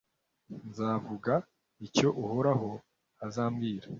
nzavuga icyo uhoraho azambwira.